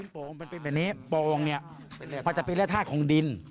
เป็นแบบนี้โป่งจะเป็นเรื้อทาสของดิน